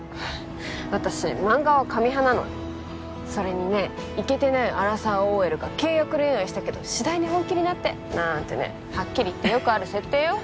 私マンガは紙派なのそれにねイケてないアラサーＯＬが契約恋愛したけど次第に本気になってなーんてねはっきり言ってよくある設定よ